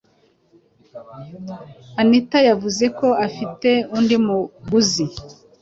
anita yavuze ko afite undi muguzi